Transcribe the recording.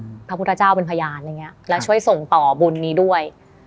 พระพุทธเจ้าเป็นพยานอะไรอย่างเงี้ยแล้วช่วยส่งต่อบุญนี้ด้วย